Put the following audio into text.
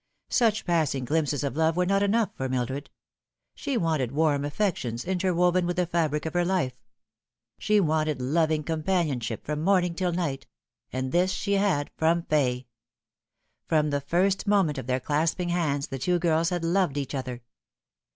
Such passing glimpses of love were not enough for Mildred. She wanted warm affections interwoven with the fabric of her life ; she wanted loving companionship from morning till night ; and this she had from Fay. From the first moment of their clasping hands the two girls had loved each other.